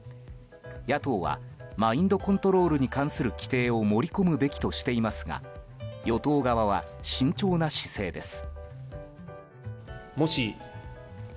野党は、マインドコントロールに関する規定を盛り込むべきとしていますが与党側は慎重な姿勢です。